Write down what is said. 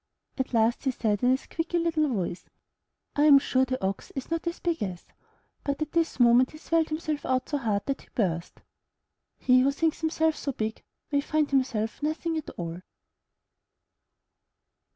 At last he said in a squeaky little voice, "I'm sure the Ox is not as big as —!' But at this moment he swelled himself out so hard that he burst! He who thinks himself so big, may find himself nothing at all.